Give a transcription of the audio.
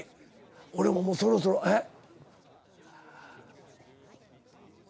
俺もそろそろえっ？